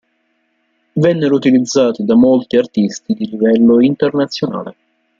Vennero utilizzati da molti artisti di livello internazionale.